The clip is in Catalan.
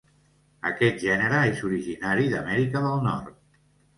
Aquest gènere és originari d'Amèrica del Nord.